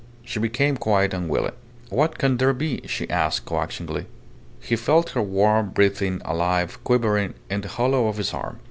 She became quiet and wily. "What can there be?" she asked, coaxingly. He felt her warm, breathing, alive, quivering in the hollow of his arm.